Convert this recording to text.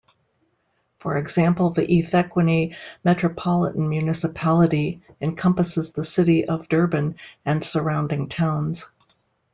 For example, the eThekwini Metropolitan Municipality encompasses the city of Durban and surrounding towns.